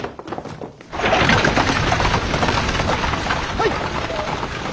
はい！